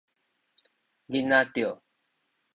囡仔 tioh